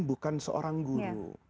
bukan seorang guru